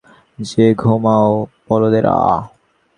যেয়ে ঘুমাও, বলদেরা!